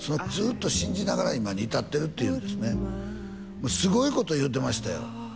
ずーっと信じながら今に至ってるって言うんですねすごいこと言うてましたよ